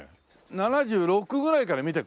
７６ぐらいから見ていく？